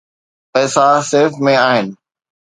پئسا سيف ۾ آهن.